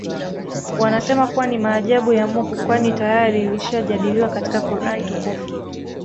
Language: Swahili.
Wanasema kuwa ni maajabu ya Mungu kwani tayari lilishajadiliwa katika Quran Tukufu